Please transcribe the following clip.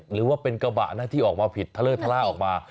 หรือว่าเป็นกระบะนะที่ออกมาผิดทะเลอร์ทะล่าออกมา